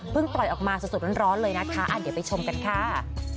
ปล่อยออกมาสดร้อนเลยนะคะเดี๋ยวไปชมกันค่ะ